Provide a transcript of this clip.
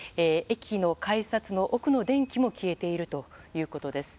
駅の改札の奥の電気も消えているということです。